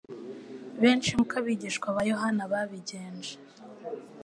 Benshi nk'uko abigishwa ba Yohana babigenje,